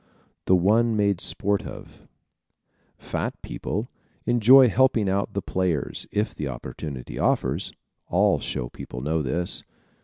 The One Made Sport Of ¶ Fat people enjoy helping out the players, if the opportunity offers. All show people know this.